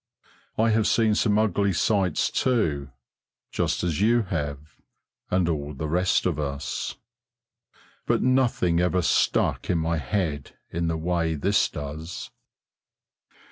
I have seen some ugly sights, too, just as you have, and all the rest of us. But nothing ever stuck in my head in the way this does.